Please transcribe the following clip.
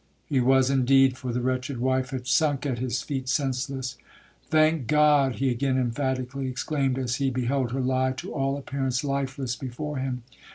He was indeed, for the wretched wife had sunk at his feet senseless. 'Thank God!' he again emphatically exclaimed, as he beheld her lie to all appearance lifeless before him.